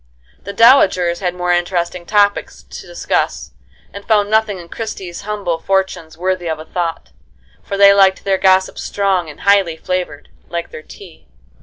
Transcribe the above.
The dowagers had more interesting topics to discuss, and found nothing in Christie's humble fortunes worthy of a thought, for they liked their gossip strong and highly flavored, like their tea.